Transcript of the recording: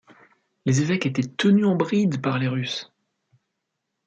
Les évêques étaient tenus en bride par les Russes.